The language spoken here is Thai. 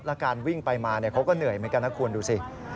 แล้วการวิ่งไปมาเขาก็เหนื่อยเหมือนกันนะคุณดูสิ